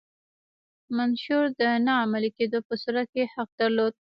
منشور د نه عملي کېدو په صورت کې حق درلود.